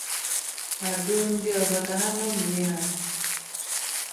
ma dụọ ndị ọzọ ka ha ñomie ha.